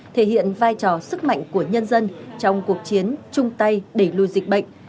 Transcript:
thể hiện vai trò sức mạnh của nhân dân trong cuộc chiến chung tay đẩy lùi dịch bệnh